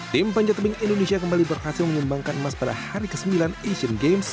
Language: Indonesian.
tim panjatabing indonesia kembali berhasil menyumbangkan emas pada hari ke sembilan asian games dua ribu delapan belas